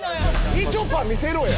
みちょぱ見せろや。